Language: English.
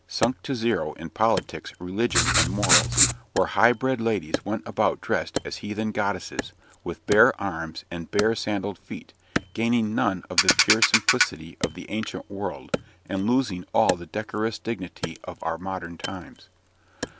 sunk to zero in politics, religion, and morals where high bred ladies went about dressed as heathen goddesses, with bare arms and bare sandalled feet, gaining none of the pure simplicity of the ancient world, and losing all the decorous dignity of our modern times.